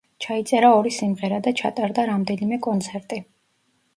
ჩაიწერა ორი სიმღერა და ჩატარდა რამდენიმე კონცერტი.